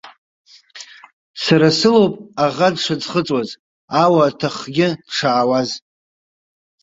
Сара сылоуп аӷа дшыӡхыҵуаз, ауа-ҭахгьы дшаауаз.